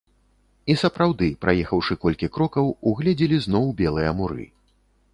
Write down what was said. І сапраўды, праехаўшы колькі крокаў, угледзелі зноў белыя муры.